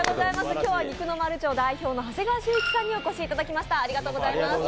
今日は肉の丸長代表の長谷川修一さんにお越しいただきました！